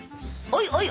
おいおい